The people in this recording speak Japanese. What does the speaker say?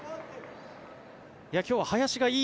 今日は林がいい